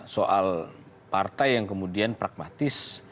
soal partai yang kemudian pragmatis